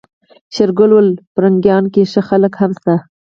شېرګل وويل پرنګيانو کې ښه خلک هم شته.